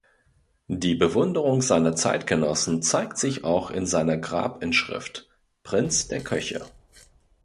Die Bewunderung seiner Zeitgenossen zeigt sich auch in seiner Grabinschrift: «Prinz der Köche».